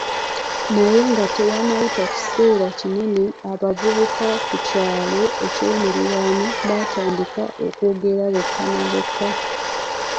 Naye nga tewannayita kiseera kinene, abavubuka ku kyalo eky'okumulirano baatandika okwogera bokka na bokka